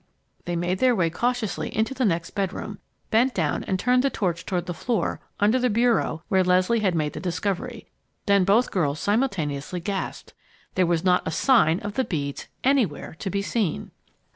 They made their way cautiously into the next bedroom, bent down, and turned the torch toward the floor under the bureau where Leslie had made the discovery. Then both girls simultaneously gasped. There was not a sign of the beads anywhere to be seen!